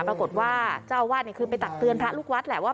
ปรากฏว่าเจ้าอาวาสคือไปตักเตือนพระลูกวัดแหละว่า